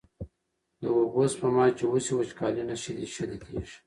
د اوبو سپما چې وشي، وچکالي نه شدېږي.